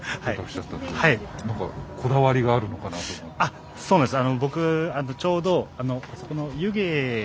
あっそうなんです。